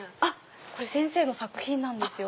これ先生の作品なんですよ。